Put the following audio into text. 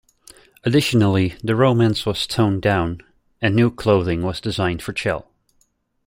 Additionally, the romance was toned down, and new clothing was designed for Chel.